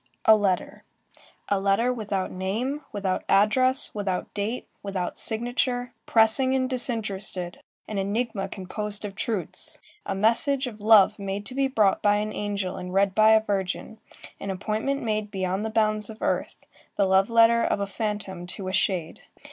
A letter. A letter without name, without address, without date, without signature, pressing and disinterested, an enigma composed of truths, a message of love made to be brought by an angel and read by a virgin, an appointment made beyond the bounds of earth, the love letter of a phantom to a shade.